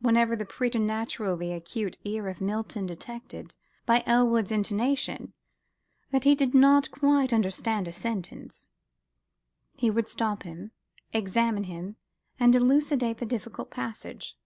Whenever the preternaturally acute ear of Milton detected, by Elwood's intonation, that he did not quite understand a sentence, he would stop him, examine him, and elucidate the difficult passage.